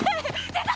出た！